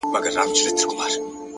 علم د انسان باور لوړوي.!